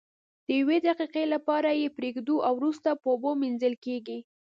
د یوې دقیقې لپاره یې پریږدو او وروسته په اوبو مینځل کیږي.